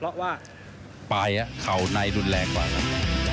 เพราะว่าปลายเข่าในรุนแรงกว่าครับ